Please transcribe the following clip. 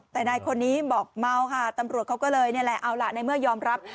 แต่นายคนนี้บอกเมาค่ะตำรวจเขาก็เลยนี่แหละเอาล่ะในเมื่อยอมรับ